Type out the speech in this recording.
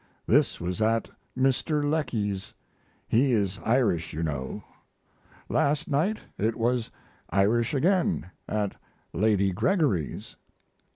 This was at Mr. Lecky's. He is Irish, you know. Last night it was Irish again, at Lady Gregory's.